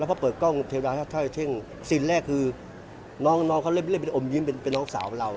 พอเปิดกล้องเทวาฮัตถ้อยเช่นซินแรกคือน้องเขาเล่นเป็นอมยิ้มเป็นน้องสาวเรา